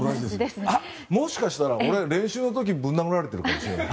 もしかしたら俺練習の時にぶん殴られているかもしれない。